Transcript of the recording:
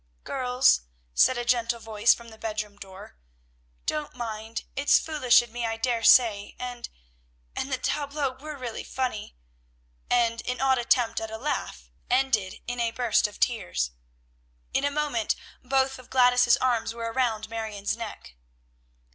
"Girls," said a gentle voice from the bedroom door, "don't mind; it's foolish in me I dare say, and and the tableaux were real funny," and an odd attempt at a laugh ended in a burst of tears. In a moment both of Gladys's arms were around Marion's neck.